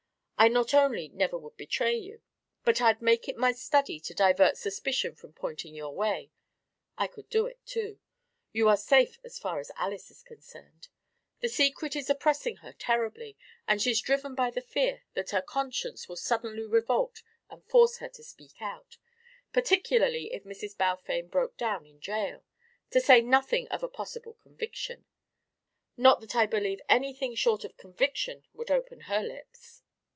I not only never would betray you, but I'd make it my study to divert suspicion from pointing your way. I could do it, too. You are safe as far as Alys is concerned. The secret is oppressing her terribly, and she's driven by the fear that her conscience will suddenly revolt and force her to speak out particularly if Mrs. Balfame broke down in jail, to say nothing of a possible conviction not that I believe anything short of conviction would open her lips.